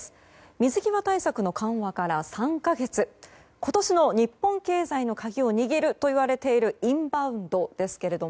水際対策の緩和から３か月今年の日本経済の鍵を握るといわれているインバウンドですけれども